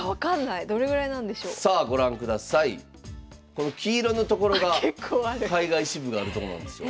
この黄色の所が海外支部があるとこなんですよ。